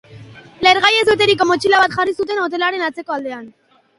Lehergaiez beteriko motxila bat jarri zuten hotelaren atzeko aldean.